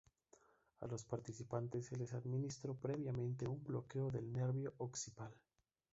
A los participantes se les administró previamente un bloqueo del nervio occipital.